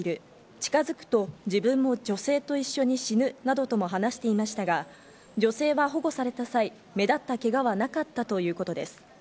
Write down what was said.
近づくと自分も女性と一緒に死ぬなどとも話していましたが、女性は保護された際、目立ったけがはなかったということです。